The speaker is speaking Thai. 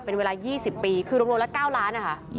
เป็นเวลา๒๐ปีคือรวมละ๙ล้านนะคะ